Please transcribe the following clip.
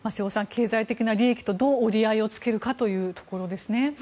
経済的な利益とどう折り合いをつけるかというところですね。